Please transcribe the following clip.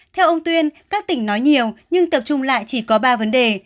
theo ông tuyên các tỉnh nói nhiều nhưng tập trung lại chỉ có ba vấn đề